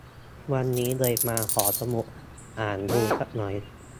วันนี้เลยมาหอสมุดอ่านดูสักหน่อย